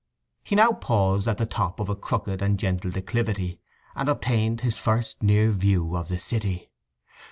He now paused at the top of a crooked and gentle declivity, and obtained his first near view of the city.